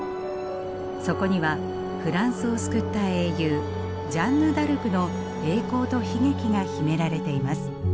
そこにはフランスを救った英雄ジャンヌ・ダルクの栄光と悲劇が秘められています。